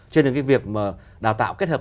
trên những cái việc đào tạo kết hợp